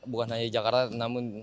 bukan hanya jakarta namun